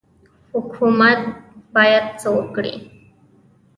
حکومت باید څه وکړي؟